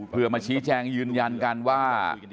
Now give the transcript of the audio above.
เพื่อมาชี้แจงยืนยันกันว่า